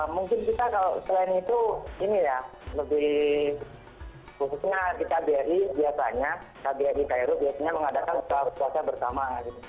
mungkin kita kalau selain itu ini ya lebih khususnya kita bri biasanya kbi kru biasanya mengadakan suara suara bersama